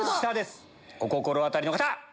お心当たりの方！